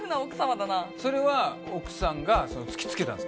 それは奥さんが突き付けたんすか？